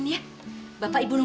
nanda kalau gua nang